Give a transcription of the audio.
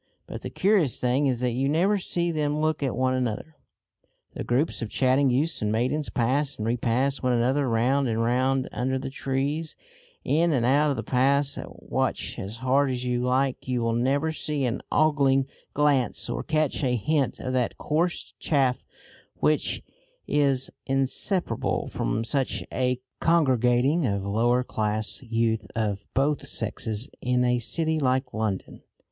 But the curious thing is that you never see them look at one another. The groups of chatting youths and maidens pass and repass one another round and round under the trees, in and out of the paths, and watch as hard as you like you will never see an ogling glance or catch a hint of that coarse chaff which is inseparable from such a congregating of lower class youth of both sexes in a city like London.